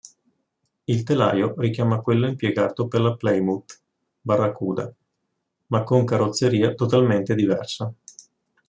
Il telaio richiama quello impiegato per la Plymouth Barracuda, ma con carrozzeria totalmente diversa.